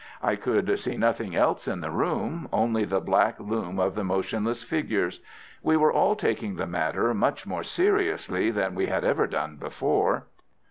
I could see nothing else in the room—only the black loom of the motionless figures. We were all taking the matter much more seriously than we had ever done before.